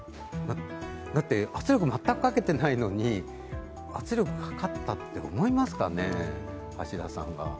だって、圧力全くかけてないのに圧力かかったって思いますかね、橋田さんが。